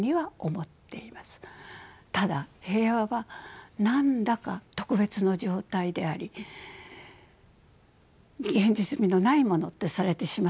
ただ「平和」は何だか特別の状態であり現実味のないものとされてしまっては意味がありません。